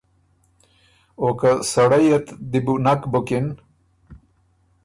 او که سړئ ات دی بو نک بُکِن